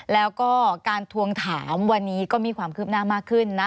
แล้วก็การทวงถามวันนี้ก็มีความคืบหน้ามากขึ้นนะ